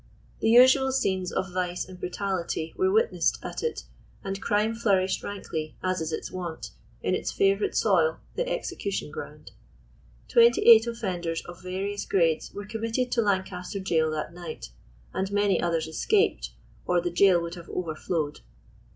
The usual scenes of vice and brutality were witnessed at it, and crime flourished rankly, as is its wont, in its favorite soil, the execution ground. Twenty eight offenders of various grades were committed to Lancaster jail that night, and many others escaped, "or the jail would have overflowed."